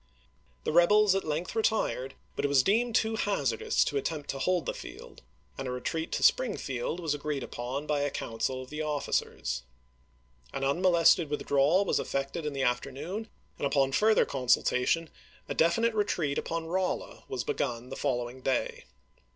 The rebels at length retired, but it was deemed too hazardous to attempt to hold the field, and a retreat to Spring field was agreed upon by a council of of&cers. An unmolested withdrawal was effected in the after noon, and upon further consultation a definite re treat upon RoUa was begun the following day.